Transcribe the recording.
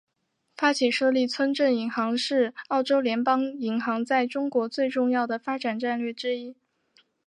发起设立村镇银行是澳洲联邦银行在中国最重要的发展战略之一。